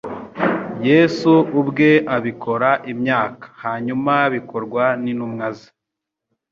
Yesu ubwe abikora imyaka hanyuma bikorwa n'intumwa ze.